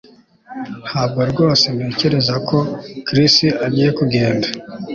Ntabwo rwose ntekereza ko Chris agiye kugenda